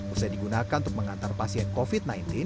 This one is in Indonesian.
usai digunakan untuk mengantar pasien covid sembilan belas